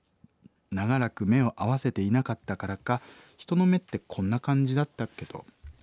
長らく目を合わせていなかったからか人の目ってこんな感じだったっけと思ってしまいました。